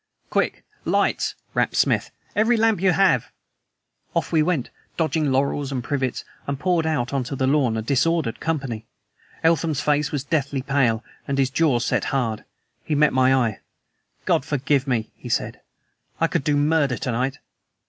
"Quick! Lights!" rapped Smith. "Every lamp you have!" Off we went, dodging laurels and privets, and poured out on to the lawn, a disordered company. Eltham's face was deathly pale, and his jaw set hard. He met my eye. "God forgive me!" he said. "I could do murder to night!"